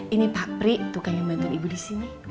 ini pak pri tukang yang bantuin ibu di sini